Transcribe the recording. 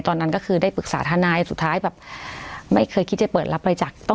ตอนนั้นก็คือได้ปรึกษาทนายสุดท้ายแบบไม่เคยคิดจะเปิดรับบริจาค